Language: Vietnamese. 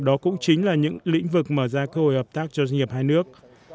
đó cũng chính là những lĩnh vực mở ra cơ hội hợp tác cho doanh nghiệp hai nước